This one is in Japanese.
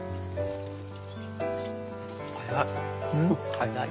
早い。